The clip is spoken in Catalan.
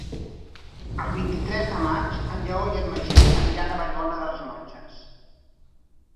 El vint-i-tres de maig en Lleó i en Magí aniran a Vallbona de les Monges.